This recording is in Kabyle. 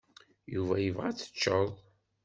Yuba yebɣa ad teččeḍ.